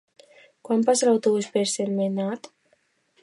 Quan passa l'autobús per Sentmenat?